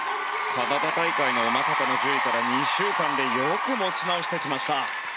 カナダ大会のまさかの順位から２週間でよく持ち直してきました。